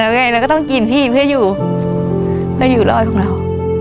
เราก็ต้องกินอย่างงี้เพื่อรออยของเรา